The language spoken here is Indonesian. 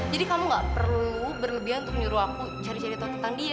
jadi kamu gak perlu berlebihan untuk nyuruh aku cari cari tau tentang dia